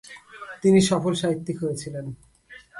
তিনি সফল সাহিত্যিক হয়েছিলেন।